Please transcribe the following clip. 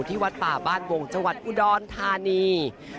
ที่วัดป่าบ้านวงจังหวัดอุดรธานี